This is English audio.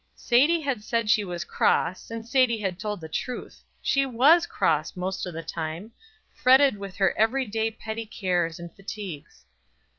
Sadie had said she was cross, and Sadie had told the truth; she was cross most of the time, fretted with her every day petty cares and fatigues.